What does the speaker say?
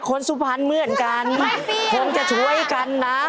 คนสู่พันธุ์เหมือนกันคงจะช่วยกันนะ